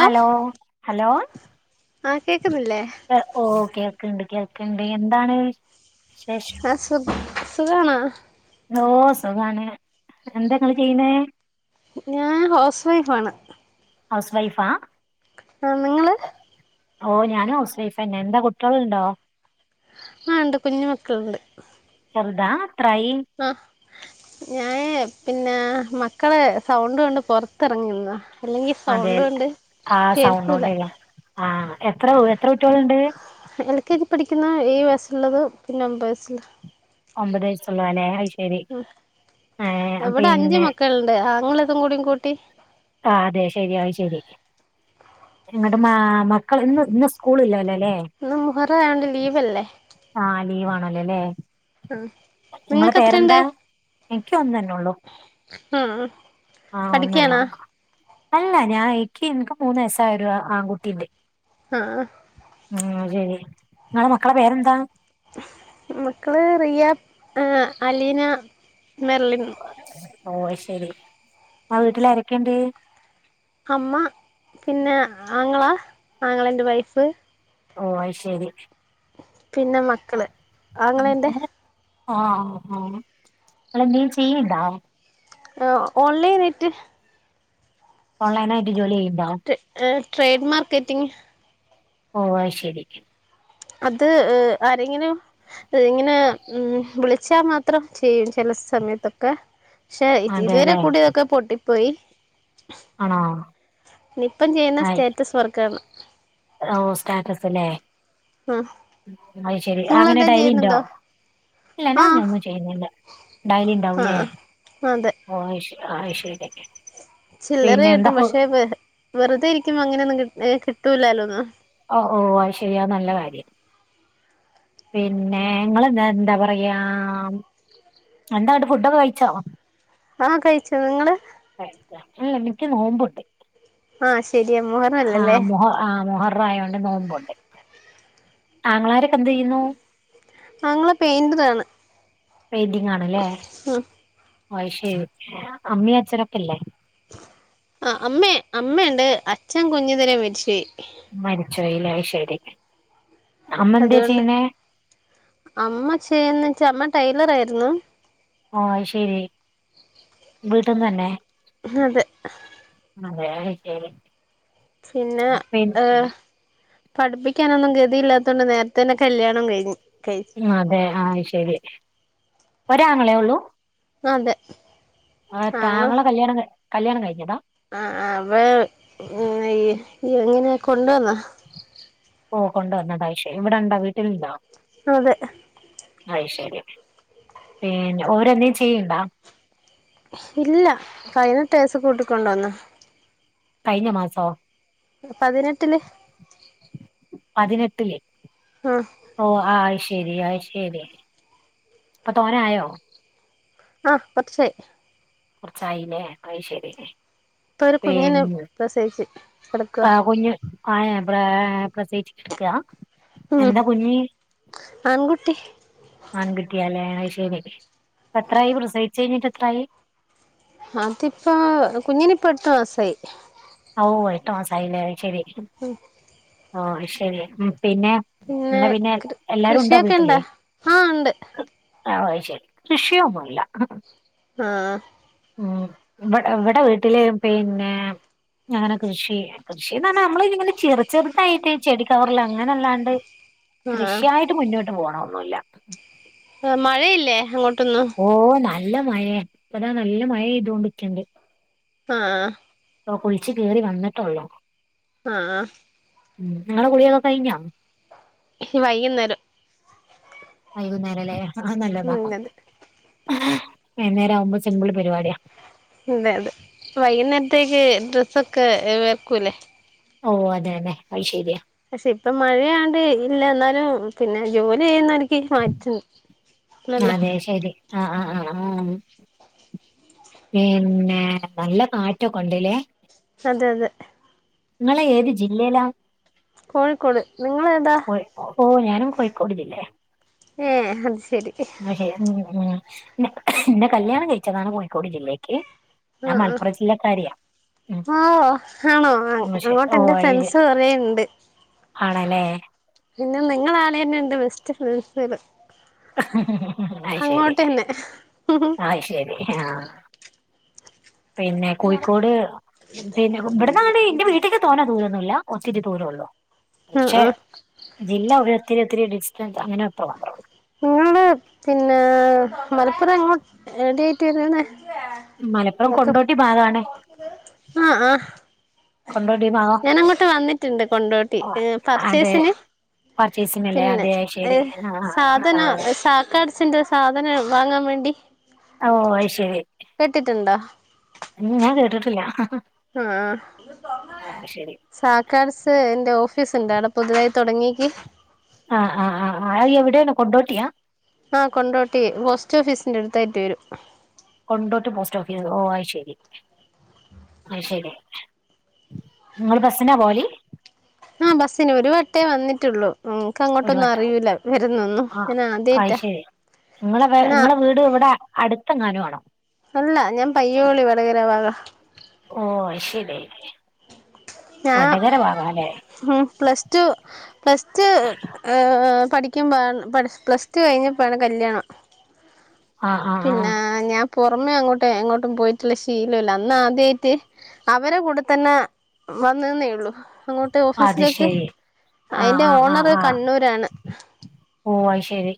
Hello hello ആഹ് കേക്കുന്നില്ലേ കേക്ക്ണ്ട് കേക്ക്ണ്ട് എന്താണ് വിശേഷം ആഹ് സുഖ് സുഖാണോ ഓഹ് സുഖാണ് എന്താങ്ങള് ചെയ്യ്ണേ ഞാൻ ഹൗസ് വൈഫാണ് ഹൗസ് വൈഫാ ആ നിങ്ങള് ഓഹ് ഞാനും ഹൗസ് വൈഫന്നാ ന്താ കുട്ടികളുണ്ടോ ആഹ് ഇണ്ട് കുഞ്ഞു മക്കളുണ്ട് ചെറുതാ എത്രായി ആ ഞാൻ പിന്നെ മക്കളെ സൗണ്ടൊണ്ട് പൊർത്തെറങ്ങിന്നാ അതെ ആഹ് കേൾക്കൂല സൗണ്ടോണ്ട്ലേ ആഹ് എത്ര എത്ര കുട്ടിയോള്ണ്ട് എൽ കെ ജി പഠിക്കുന്ന [unintelligible] വയസ്സുള്ളത് പിന്നെ ഒമ്പവയസ്സുള്ളത് ഒമ്പത് വയസ്സുള്ളുല്ലേ ഹ് ഇവിടെ പിന്നെ അഞ്ചുമക്കള്ണ്ട് ആണുയുള്ളതുംകൂടെ കൂട്ടി ആ അതെ ശെരിയാ അത് ശരി നിങ്ങടെ മാ മക്കൾ ഇന്ന് ഇന്ന് സ്കൂളില്ലലേ ഇന്ന് മുഹറായൊണ്ട് ലീവല്ലെ ആ ലീവാണല്ലോയില്ലേ ആഹ് നിങ്ങക്ക്‌ എത്ര ഒണ്ട് ക് ഒന്നന്നെള്ളു ആ ഒന്ന്തന്നെ പഠിക്കാണോ ഓൾക്കും അല്ല ഞാൻ എക്ക് ൻക്ക് മൂന്ന് വയസായൊരു ആൺകുട്ടീണ്ട് ആഹ് ഏ നിങ്ങളെ മക്കളെ പേരെന്താണ് മക്കള് റിയ മ് അലീന മെർലിൻ ഓ ശെരി ആ വീട്ടില് ആരോക്കെണ്ട് അമ്മ പിന്നെ ആങ്ങള ആങ്ങളെൻ്റെ വൈഫ് ഓ അത്ശരി പിന്നെ മക്കള് ഉം, ആങ്ങെളെൻ്റെ നിങ്ങള് ആ ഹ് ആ ഹ് ആഹ് നിങ്ങളെന്തെലും ചെയ്യ്ണ്ടോ ആ ഓൺലൈനായിട്ട് ഓൺലൈനായിട്ട് ജോലി ചെയ്യ്ണ്ടോ ട്രേഡ് മാർക്കറ്റിംഗ് ഓ അത് ശരി അത് ആരെങ്കിലും ഇങ്ങനെ ഉം വിളിച്ചാമാത്രം ചെയ്യും ചെല - സമയത്തൊക്കെ പക്ഷെ ഇതുവരെ അതെല്ലേ കൂടിയതൊക്കെ പൊട്ടിപ്പോയി ആണോ നിപ്പം ചെയ്യ്ണ ആയി സ്റ്റേറ്റസ് വർക്കാണ് ഓ സ്റ്റാറ്റസ് ഇല്ലേ ആ ഉം അത്ശരി അങ്ങനെ നിങ്ങളെന്തേലും ഡൈലിണ്ടോ? ചെയ്യുന്നുണ്ടോ ഇല്ല ഞാൻ ആ അങ്ങനൊന്നും ചെയ്യുന്നില്ല ആ ഡൈലിണ്ടാവുലേ? അതെ അയ്ശെ ആയ്ശെരി. ചില്ലറകിട്ടും പക്ഷെ വെ വെറുതെ ഇരിക്കുമ്പോ അങ്ങനൊന്നും കി ഏഹ് കിട്ടൂലാല്ലോന്ന്. ഓഹ് അത്ശരി അത്‌ നല്ല കാര്യം. പിന്നെ ങ്ങളെന്നെ എന്താപറയാ? എന്താന്ന്ട്ട് ഫുഡൊക്കെ കഴിച്ചോ? ആഹ് കഴിച്ചു. നിങ്ങള്? ക്ക് നോമ്പുണ്ട്. ആഹ് ശരിയാ മുഹറല്ലല്ലേ ആഹ് മൊഹ ആഹ് മൊഹറായോണ്ട് നോമ്പുണ്ട്. ആങ്ങളാരൊക്കെന്തെയ്യുന്നു? ഞങ്ങള് പെയിന്റിലാണ് പെയിന്റിങ് ആണല്ലേ ശ അമ്മിയ അച്ച്ചനൊക്കെല്ലേ ആ അമ്മ അമ്മുണ്ട് അച്ഛൻ കുഞ്ഞു തരെ മേരിച്ച മരിച്ചോല്ല ശരി അമ്മ എന്താ അതുകൊണ്ട് ചെയ്യണേ അമ്മ ചേന്ന് വച്ചാ അമ്മ ടൈലർായിരുന്നു ഓ ശരി വീട്ടന്ന് തന്നെ അത അതെ അതക്ക പിന്നെ പഠിപ്പിക്കാനൊന്നും ഗതിയില്ലാത്തൊണ്ട് നേരത്തെ തന്നെ കല്യാണം കഴിു ഉ അതെ ആ ശരി വരാങ്ങളെ ഉള്ളൂ അതെ ആ താങ്കളെ കല്യാണം കല്യാണം കഴിക്കട്ടോ ആ അപ്പ എങ്ങനെയ കൊണ്ടുവന്നോ പോഓ കൊണ്ടുവന്നതാ ഇഷയേ ഇവിടെ ഇണ്ടോ വീട്ടിലണ്ടോ അതെ അയ് ശരി പിന്നെ ഓരന്തേും ചെയ്യണ്ടാ ഇല്ല കഴിഞ്ഞ േസ് കൂട്ടിക്കൊണ്ടോന്നു കഴിഞ്ഞ മാസോ പതിനെട്ടില് പതിനെട്ടിലെ ആഹ് ഓ ആ ശരിയ ശരി അപ്പൊ തോന ആയോ ആഹ് പച്ചേ കുറച്ചായിനെ ആയി ശരിെ ഇപ്പൊ ഒരു കുഞ്ഞിനെ പിന്ന പ്രസവിച്ച് കിടക്കുവാ ആ കൊ ആ അ ഉം എന്താ കുഞ്ഞി ആൺകുട്ടി ആൺകുട്ടിയാല ശമ അ എത്രായി പ്രസയിിച്ച കഴിഞ്ഞിട്ട് എത്രായി അതിപ്പ കുഞ്ഞിനിപ്പ അടുത്ത മാസായി ഓ ട്ടോ ആസായില്ലേ ശരി ഓ ശരിയ ഉം പിന്നെ എന്നാ പിന്നെ കൃ എല്ലാരും ഉണ്ടോ കൃഷിയൊക്കെ ഇണ്ടാ വീട്ടില് ആഹ് ഉണ്ട് ആഹ ശരി കൃഷിയൊന്നുമല്ല ആഹ ഉം ഇടെ ഇവിടെ വീട്ടില പിന്നെ അങ്ങനെ കൃഷി കൃഷിന്ന് പറ നമ്മള് ഇങ്ങനെ ചറ ചെറുതായിട്ട് ചെടികവറൽ അങ്ങനെല്ലാണ്ട് ആഹ് കൃഷിയായിട്ട് മുന്നോട്ട് പോകണം മഴയില്ലേ അങ്ങോട്ട് ഓ നല്ല മഴ ഇപ്പതാ നല്ല മഴെയ്തോൊണ്ടിരിക്കണ്ട് ആഹ അ കുളിച്ചച്ച് ക കേറി വന്നിട്ടുള്ളോ ആഹ് ഉം നിങ്ങളെ കുളിയക്ക കഴിഞ്ഞ വൈകുന്നേരം വൈകുന്നേരം അല്ലേ ആഹ നല്ലതാക്ക ഉം അതെ വൈകുന്നേരം ആവുമ്പോ സിമ്പിൾ പരിപാടിയാ അതെ അതെ വൈകുന്നേരത്തേക്ക് ഡ്രസ്സൊക്കെ വർക്കൂല്ലേ ഓ അതെന്നെ അഐ ശര്യ പക്ഷെ ഇപ്പ മഴയാണ്ട് ഇല്ല എന്നാലും പിന്നെ ജോലി ചെയ്യുന്ന എനിക്ക് മാറ്റുന്നു അതെ ശരി ആ ആ ആ പിന്നെ നല്ല കാറ്റൊക്കെ ഉണ്ടല്ലേ അതെ അതെ നിങ്ങളെ ഏത് ജില്ലയിലാ കോഴിക്കോട് നിങ്ങെളേത ഞാകോഴിക്കോട് ജില്ലേ ഏ ആഹ് പക്ഷെ ഉ ഉ എന്നെ കല്യാണം കഴിച്ചയചതാണ് കോഴിക്കോട് ജില്ലേക്ക് ഞാൻ മലപ്പുറം ജില്ലക്കാരിയാ ഉം ആഹ ആണോ ഉം, ശരി ഓ അങ്ങോട്ടൊന്റെ അത് ഫ്രണ്ട്സ് ശരി. കൊറെ ഒണ്ട് ആണല്ലേ പിന്നെ നിങ്ങളാണ് എന്റെ ബെസ്റ്റ് ഫ്രണ്ട്സ് കള് ആ് ശരി ആ ശരി ആഹ പിന്നെ കോഴിക്കോട് പിന്നെ ഇവിടന്നങ്ങോട്ട്എന്റെ വീട്ടേക്ക് തോന ദൂരമൊന്നുമില്ല ത്തിരി ദൂരെള്ളു ആഹ ആ ജില്ല രുഒത്തിരി ഒത്തിരി ഡിസ്റ്റൻസ് അങ്ങനെ അത്രമാത്രേള്ളൂ നിങ്ങടെ പിന്നെ മലപ്പുറം ങ്ങ എവിട ആായിട്ട് വരുന്ന മലപ്പുറം കൊണ്ടോട്ടി ഭാഗണേ ആഹ ആഹ ഭാഗം ഞൻ അങ്ങോട്ട് വന്നിട്ടുണ്ട് കൊണ്ടോട്ടി പർച്ചേസിന് പർച്ചയിസിനല്ലേ പിന്നെ അതെ ശരി ഏഹ് ആഹ് ആഹ് സാധന ആഹ് സാക്കാട്്സിന്റെ സാധനം വാങ്ങാൻ വേണ്ടി ഓ അ് ശരി കേട്ടിട്ടുണ്ടോ ഞാൻ കേട്ടിട്ടില്ല ആ ആഹ് ശരി സാക്കാർസ് എന്റെ ഓഫീസ് ഉണ്ട് അവിടെ പുതുതായി തുടങ്ങിയക്ക് ആഹ് ആഹ് ആഹ് ആ അയ്യ വിടെയാണ് കൊണ്ടോട്ടിയാ ആഹ കൊണ്ടോട്ടി പോസ്റ്റ് ഓഫീസിന്റെ അടുത്തായിട്ട് വരും കൊണ്ടോട്ട് പോസ്റ്റ് ഓഫീസ് ഓ ആ ശെരി ആ ശരി നിങ്ങള് ബസിനാ പോവല് ആഹ ബസ്സിന് ഒരു വട്ടേ വന്നിട്ടുള്ളൂ ഉനക്ക് ഒരു അങ്ങോട്ടൊന്നും വട്ടം അറിയിൂല വരുന്നൊന്നും ആഹ് പിന്നെ അത് ആദ്യയിട്ട ശരി നിങ്ങളെ നിങ്ങളടെ വീട് ഇവിടെ അടുത്തെങ്ങാനും ആണോ അല്ല ഞാൻ പയ്യോളി വടകര ഭാഗ ഓ ശരി ഞാൻ വടകര ഭാഗം അല്ലേ പ്ലസ് ടു പ്ലസ്റ്റു പഠിക്കുമ്പോാണ് പ്ലസ് ടു കഴിഞ്ഞപ്പോഴാണ് കല്യാണം ആ ആ ആ പിന്നെ ഞാൻ പുറമേ അങ്ങോട്ടും എങ്ങോട്ടും പോയിട്ടുള്ള ശീലമില്ല അന്ന് ആദ്യമായിട്ട് അവരെ കൂടെ തന്നെ വന്നന്നേ ഉള്ളു അങ്ങോട്ട് അത് ഓഫീസിലേക്ക് ശരി ആ അയിന്റെ ആ ആ ഓണർ ആ കണ്ണൂരാണ് ഓ ശരി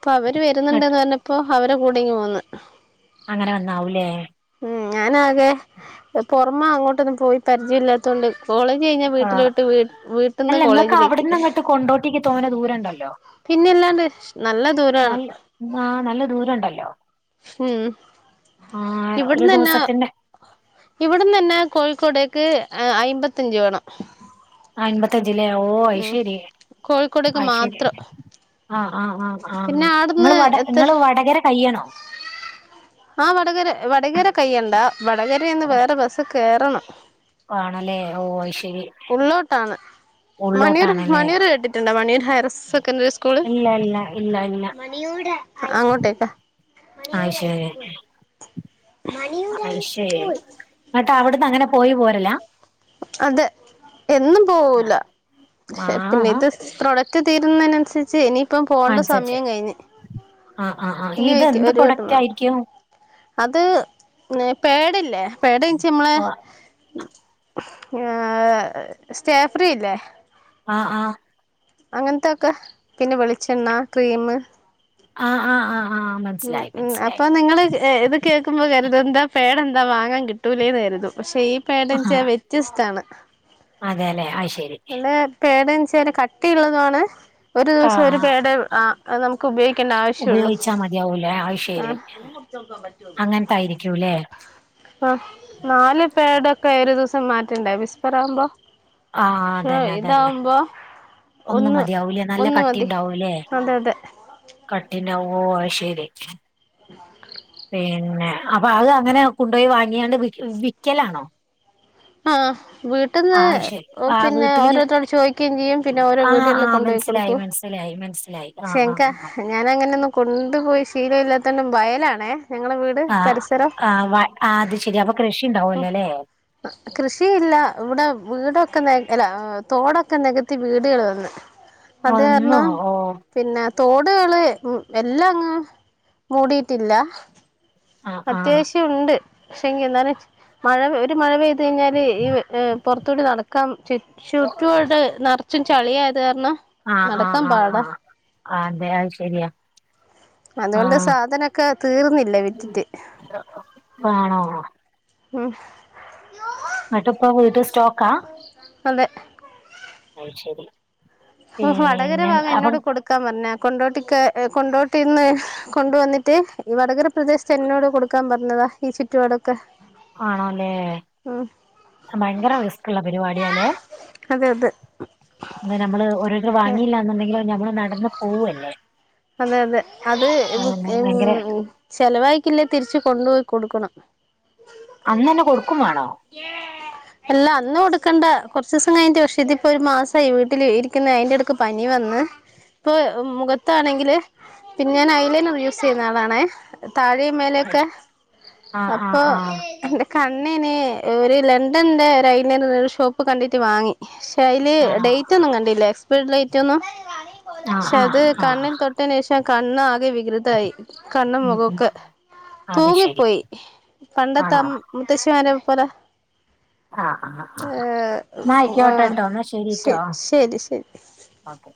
അപ്പൊ അവര് ഇങ്ങട്ട് വരുന്നുണ്ടന്ന് പറഞ്ഞപ്പോ അവരെ ടെ കൂടെയിങ് പോന്ന്ന് അങ്ങനെ വന്നാവൂലേ ഉ ഞാനാകെ പുറമെ അങ്ങോട്ടൊന്നും പോയി പരിചയം ഇല്ലാത്തോണ്ട് കോളേജ് കഴിഞ്ഞാ ആ വീട്ടിലോട്ട് വീട്ടന്ന് അല്ല നിങ്ങൾക്ക് കോളേജിലേക്ക് അവിടുന്ന് അങ്ങോട്ട് കൊണ്ടോട്ടിക്ക് തോനെ ദൂരം ഉണ്ടല്ലോ പിന്നെല്ലാ നല്ല ആ നല്ല ദൂരം ഉണ്ടല്ലോ ഉം ആ ഒരു ഇവിടന്ന് തന്നെ ദിവസത്തിന്റെ ഇവിടന്ന് തന്നെ കോഴിക്കോടേക്ക് അയ്മ്പത്തഞ്ച് വേണം ആഅമ്പത്തഞ്ച്ല്ലേ ഓ ഉം ഐ്ശേരി കോഴിക്കോടേക്ക് അഐ്ശേരി മാത്രം ആ് ആ ആ ആ് പിന്നെ നിങ്ങള് ആട്ന്ന് വട എത്ത നിങ്ങള് വടകര കയ്യണോ ആ വടകര വടകര കയ്യണ്ടാ വടകര നിന്ന് വട- വേറെ ബസ്സ് കയറണം. ആണല്ലേ ഓ, ശരി ഉള്ളോട്ടാണ് മണിയൂർ, ഉള്ളോട്ടാണല്ലേ മണിയൂർ കേട്ടിട്ടുണ്ടോ മണിയൂർ ഹയർ സെക്കൻറി സ്കൂള്. ഇല്ല ഇല്ല ഇല്ല ഇല്ല അങ്ങോട്ടേക്കാ അയ്ശരി മണിയൂരൈസ്കൂൾ അവിടന്ന് അങ്ങനെ പോയി പോരല അതെ എന്നും പോവുല്ല, ആ പിന്നെ ആ ഇത് പ്രൊഡക് പ്രൊഡക്ട് തീരുന്നതിനനുസരിച്ച് എനി ഇപ്പം പോകണ്ട അനുസരിച്ച് സമയം കഴിഞ്ഞ് ആ ആ ആ ഇനി ഇത് ഒരിക്കെ എന്ത് ഒരു വട്ടം പ്രൊഡക്റ്റ് പോണം. ആയിരിക്കും അത് പേടില്ലേ പേടിച്ച നമ്മളെ ഓ സ്‌റ്റേ ഫ്രീ ഇല്ലേ ആ ആ അങ്ങനത്തൊക്കെ പിന്നെ വെളിച്ചെണ്ണ ക്രീമ്. ആ, ആ, ആ ആ ഉം, മനസ്സിലായി ഉം മനസ്സിലായി അപ്പൊ നിങ്ങള് ഇ കേൾുമ്പോ കരുതും എന്താ പാഡ് എന്താ വാങ്ങാൻ കിട്ടൂലേന്ന് കരുതും ഈ പാഡ് ആ എന്ന് വെച്ചാൽ വ്യത്യസ്താണ്, അതെല്ലേ അയ്ശരി അല്ലേ പാഡ് [unintelligible] കട്ടിയുള്ളതും ആണ് ഒരു ആ ദിവസം ഒരു പാഡേ നമുക്ക് ഉപയോഗിക്കേണ്ട ആവശ്യം ഉള്ളൂ. അത്. ശരി അങ്ങനത്തായിരിക്കൂല്ലേ ആ നാല് പടൊക്കെ ഒരു ദിവസം മാറ്റണ്ടേ വിസ്പർ ആവുമ്പം. ആ അതന്നെ അതന്നെ ഇതാവുമ്പോ ഒന്നും ഒന്ന് മതിയാവുല്ലേ നല്ല ഒന്ന് മതി കട്ടിണ്ടാവൂല്ലേ, അതെ അതെ കട്ടി ഉണ്ടാവുവോ ശരി പിന്നെ അപ്പൊ അത് അങ്ങനെ കൊണ്ടുപോയി വാങ്ങിയാണ്ട് വി വിക്കലാണോ? ആ വീട്ടിന്ന് ആ ശരി ആ പിന്നെ വീട്ടിലിങ്ങനെ ഓരോരുത്തോടെ ചോദിക്കുകയും ചെയ്യും, പിന്നെ ഓരോ ആഹ് വീടുകളും ആഹ് കൊണ്ടുപോയി മനസ്സിലായി കൊടുക്കും. മനസ്സിലായി മനസ്സിലായി ആഹ് ശങ്ക ആഹ് ഞാൻ അങ്ങനെയൊന്നും കൊണ്ടുപോയി ശീല ഇല്ലാത്തോണ്ടു വയലാണേ ഞങ്ങളെ വീട് ആ, പരിസരം ആ ആ അത് ശരി അപ്പൊ കൃഷി ഉണ്ടാവൂലോ അല്ലേ കൃഷിയില്ല ഇവിടെ വീട് വീടൊക്കെ വെക്കല, തോടൊക്കെ നികത്തി വീടുകൾ വന്ന്. അത് ഒന്നോ കാരണം ഓ പിന്നെ തോടുകള് എല്ലാം അങ്ങ് മൂടിയിട്ടില്ല ആഹ് ആഹ് അത്യാവശ്യം ഉണ്ട്, പക്ഷെങ്കി എന്നാലും മഴ ഒരു മഴ പെയ് കഴിഞ്ഞാല് ഈ പുറത്തുകൂടി നടക്കാം ചുറ്റുപാട് നറച്ചും ചളിയാ ആയത്‌ കാരണം ആഹ് ആഹ് നടക്കാൻ ആഹ് പാടാ. ആഹ് അതെ അത് ശെരിയാ അതുകൊണ്ട് ആഹ് സാധനൊക്കെ തീർന്നില്ലേ വിറ്റിറ്റ്. ആണോ ഉം എന്നിട്ട് ഇപ്പൊ വീട്ടി സ്റ്റോക്കാ? അതെ ആ ശരി വടകര ഭാഗം എന്നോട് കൊടുക്കാൻ പറഞ്ഞ കൊണ്ടോട്ടി കൊണ്ടോട്ടിന്ന് കൊണ്ടുവന്നിട്ട് മറ്റേ ഈ വടകര പ്രദേശത്ത് എന്നോട് കൊടുക്കാൻ പറഞ്ഞതാ ഈ ചുറ്റുപാടൊക്കെ. ആണോല്ലേ, ഉം ഭയങ്കര റിസ്ക്ള്ള പരിപാടിയല്ലേ അതെ അതെ പിന്നെ നമ്മള് ഓരോരുത്തർ വാങ്ങിയില്ല എന്നുണ്ടെങ്കില് നമ്മള് നടന്നു പോവല്ലേ അതെ അതെ, അത്, ആഹ് ഭയങ്കര ഉം, ചെലവായിക്കില്ലേ തിരിച്ച് കൊണ്ട്പോയി കൊടുക്കണം അന്ന് തന്നെ കൊടുക്കും വേണോ ക്കണ്ട കുറച്ച് ദിവസം കഴിഞ്ഞിട്ട്, പക്ഷെ ഇതിപ്പോ ഒരു മാസായി വീട്ടിൽ ഇരിക്കുന്ന അയിന്റെടക്ക് പനി വന്ന്. ഇപ്പൊ മുഖത്താണെങ്കില് പിന്നെ ഞാൻ ഐലൈനർ യൂസ് ചെയ്യുന്ന ആളാണെ, താഴേം മേലൊക്കെ, ആഹ് അപ്പൊ ആഹ് ആഹ് എൻ്റെ ക ണ്ണിന് ഒരു ലണ്ടൻൻ്റെ ഒരു ഐലൈനർ ഒര് ഷോപ്പ് കണ്ടിട്ട് വാങ്ങി, ക്ഷേ അയ്ല് ആണോ ഡേറ്റ് ഒന്നും കണ്ടില്ല എക്സ്പെയേഡ് ഡേറ്റ് ഒന്നും ആഹ് പക്ഷെ ആഹ് അത് കണ്ണിൽ ആഹ് തൊട്ടേനേഷം ആ കണ്ണ് ആകെ വികൃതായി കണ്ണ് ഉം ഉം മുഖക്കെ. അത് ശരി തൂങ്ങിപ്പോയി പണ്ടത്തെ ആണോ മു മുത്തശ്ശിമാരെ പോലെ. ആഹ് ആഹ് ആഹ് ഏഹ് എന്നാ ഏഹ് ആയിക്കോട്ടെട്ടോ എന്നാ ശ് ശരിട്ടോ ശരി ശരി. ഓക്കെ.